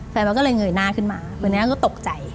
แฟนวาร์ก็เลยเหงื่อหน้าขึ้นมาเหมือนหน้าก็ตกใจ